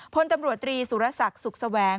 พลตำรวจตรีสุรศักดิ์สุขแสวง